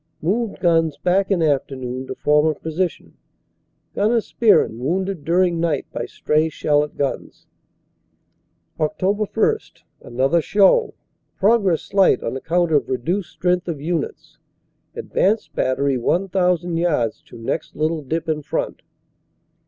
Moved guns back in afternoon to former position. Gnr. Spearn wounded during night by stray shell at guns. "Oct. 1 Another show. Progress slight on account of reduced strength of units. Advanced battery 1,000 yards to next little dip in front."